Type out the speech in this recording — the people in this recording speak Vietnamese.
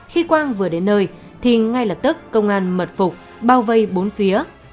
khi quang vừa đến nơi thì ngay lập tức công an mật phục bao vây bốn phía